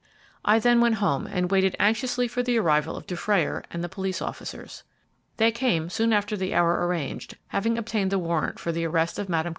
I then went home and waited anxiously for the arrival of Dufrayer and the police officers. They came soon after the hour arranged, having obtained the warrant for the arrest of Mme.